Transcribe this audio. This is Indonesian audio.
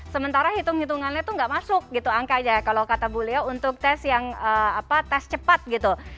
sementara hitung hitungannya itu tidak masuk gitu angka aja kalau kata bu leo untuk tes yang tes cepat gitu